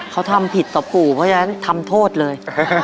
เขาทำผิดต่อปู่เพราะฉะนั้นทำโทษเลย